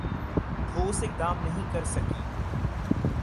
ٹھوس اقدام نہیں کرسکی